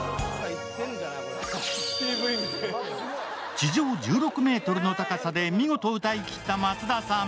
地上１６ｍの高さで見事歌いきった松田さん。